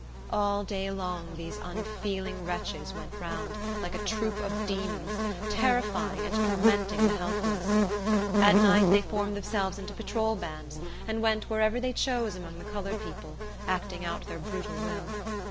All day long these unfeeling wretches went round, like a troop of demons, terrifying and tormenting the helpless. At night, they formed themselves into patrol bands, and went wherever they chose among the colored people, acting out their brutal will.